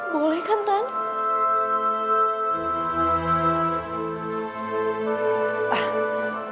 boleh kan tante